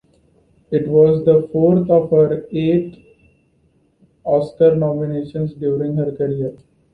It was the fourth of her eight Oscar nominations during her career.